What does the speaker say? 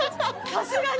さすがに。